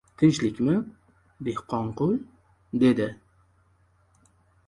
— Tinchlikmi, Dehqonqul? — dedi.